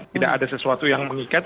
tidak ada sesuatu yang mengikat